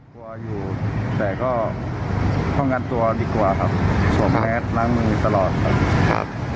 กลัวอยู่แต่ก็ป้องกันตัวดีกว่าครับสวมแมสล้างมือตลอดครับ